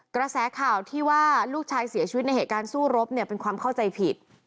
กระแสข่าวที่ว่าลูกชายเสียชีวิตในเหตุการณ์สู้รบเนี่ยเป็นความเข้าใจผิด